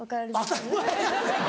当たり前や！